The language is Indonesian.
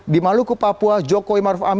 di maluku papua jokowi maruf amin